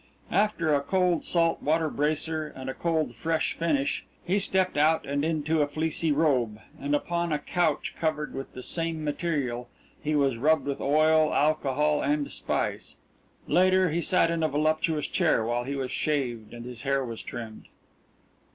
After a cold salt water bracer and a cold fresh finish, he stepped out and into a fleecy robe, and upon a couch covered with the same material he was rubbed with oil, alcohol, and spice. Later he sat in a voluptuous chair while he was shaved and his hair was trimmed.